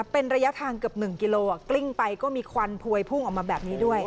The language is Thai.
เป็นระยะทางเกือบ๑กิโลกลิ้งไปก็มีควันพวยพุ่งออกมาแบบนี้ด้วย